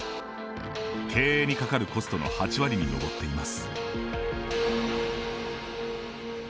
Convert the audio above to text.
経営にかかるコストの８割に上っています。